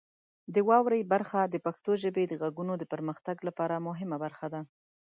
د واورئ برخه د پښتو ژبې د غږونو د پرمختګ لپاره مهمه برخه ده.